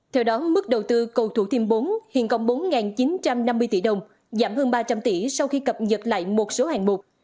theo đó mức đầu tư cầu thủ thiêm bốn hiện còn bốn chín trăm năm mươi tỷ đồng giảm hơn ba trăm linh tỷ sau khi cập nhật lại một số hạng mục